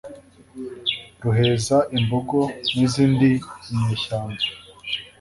ruheza imbogo nizindi nyeshyamba